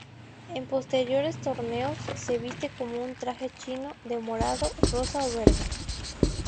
En posteriores torneos, se viste como un traje chino, de morado, rosa o verde.